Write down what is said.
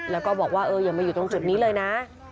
แล้วก็บอกว่าอย่ามาอยู่ตรงจุดนี้เลยนะ